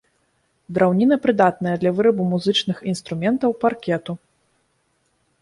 Драўніна прыдатная для вырабу музычных інструментаў, паркету.